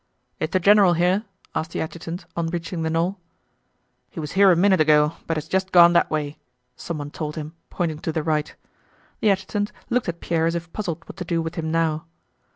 "Is the general here?" asked the adjutant on reaching the knoll. "He was here a minute ago but has just gone that way," someone told him, pointing to the right. The adjutant looked at Pierre as if puzzled what to do with him now.